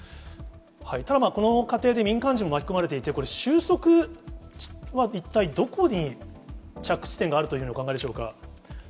ただまあ、この過程で民間人も巻き込まれていて、これ、終息は一体どこに着地点があるというふうにお考えでしょうか。